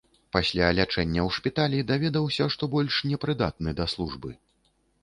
Пасля лячэння ў шпіталі даведаўся, што больш не прыдатны да службы.